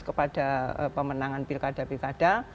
kepada pemenangan pilkada pilkada